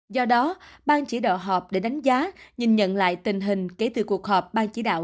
do đó ban chỉ đạo họp để đánh giá nhìn nhận lại tình hình kể từ cuộc họp ban chỉ đạo